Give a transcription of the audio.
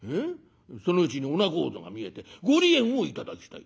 そのうちにお仲人が見えて『ご離縁を頂きたい』